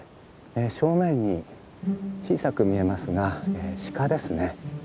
正面に小さく見えますがシカですね。